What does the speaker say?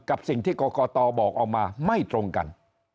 กับสิ่งที่กรกตบอกออกมาไม่ตรงกัน